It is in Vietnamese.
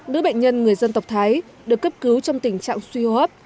đứa bệnh nhân người dân tộc thái được cấp cứu trong tình trạng suy hô hấp